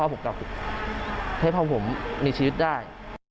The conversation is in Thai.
ให้พ่อผมมีชีวิตได้